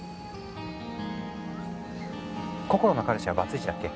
こころの彼氏はバツイチだっけ？